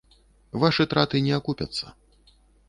Вашы траты не акупяцца.